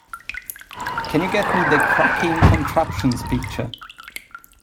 Can you get me the Cracking Contraptions picture?